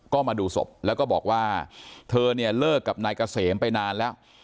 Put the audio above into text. ก็มาดูศพแล้วก็บอกว่าเธอเนี่ยเลิกกับนายเกษมไปนานแล้ว